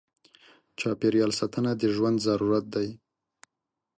چاپېریال ساتنه د ژوند ضرورت دی.